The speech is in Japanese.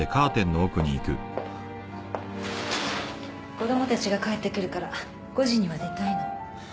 子供たちが帰ってくるから５時には出たいの。